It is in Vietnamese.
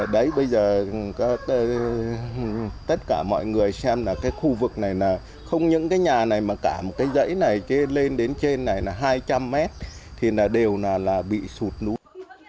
bây giờ tất cả mọi người xem là khu vực này không những nhà này mà cả dãy này lên đến trên này hai trăm linh mét thì đều bị sụt nún